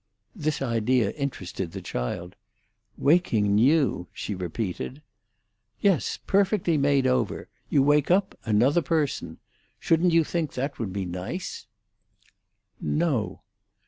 This idea interested the child. "Waking new!" she repeated. "Yes; perfectly made over. You wake up another person. Shouldn't you think that would be nice?" "No."